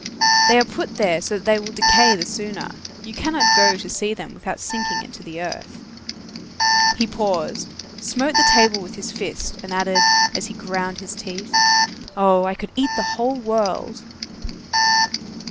They are put there so that they will decay the sooner! You cannot go to see them without sinking into the earth." He paused, smote the table with his fist, and added, as he ground his teeth:— "Oh! I could eat the whole world!"